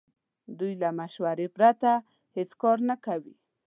دوی له مشورې پرته هیڅ کار نه کوي.